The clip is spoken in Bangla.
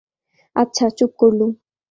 আচ্ছা, চুপ করলুম।